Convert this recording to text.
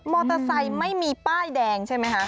มอเตอร์ไซค์ไม่มีป้ายแดงใช่ไหมคะ